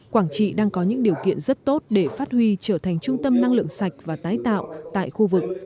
quảng trị đang có những điều kiện rất tốt để phát huy trở thành trung tâm năng lượng sạch và tái tạo tại khu vực